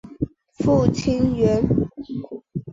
父亲袁。